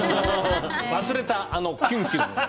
忘れた、あのキュンキュンを。